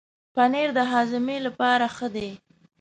پنېر د هاضمې لپاره ښه دی.